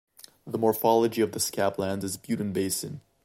The morphology of the scablands is butte-and-basin.